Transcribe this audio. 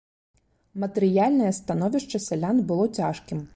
Матэрыяльнае становішча сялян было цяжкім.